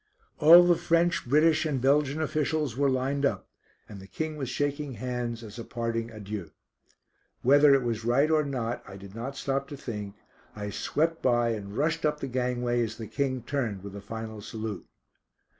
All the French, British, and Belgian officials were lined up, and the King was shaking hands as a parting adieu. Whether it was right or not I did not stop to think. I swept by and rushed up the gangway as the King turned with a final salute.